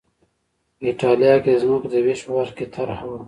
په اېټالیا کې د ځمکو د وېش په برخه کې طرحه وه